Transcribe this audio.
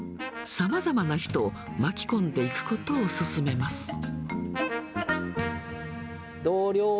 さまざまな人を巻き込んでいくことを勧めます。